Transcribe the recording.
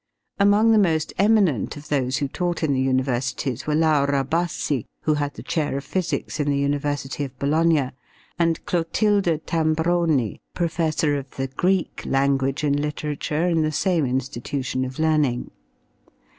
Among the most eminent of those who taught in the universities were Laura Bassi, who had the chair of physics in the University of Bologna, and Clotilde Tambroni, professor of the Greek language and literature in the same institution of learning.